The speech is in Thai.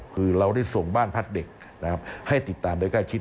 คือเราได้ส่งบ้านพักเด็กนะครับให้ติดตามโดยใกล้ชิด